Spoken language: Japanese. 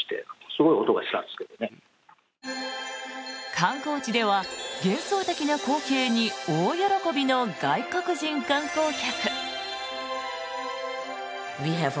観光地では幻想的な光景に大喜びの外国人観光客。